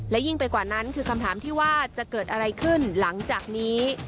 ยิ่งไปกว่านั้นคือคำถามที่ว่าจะเกิดอะไรขึ้นหลังจากนี้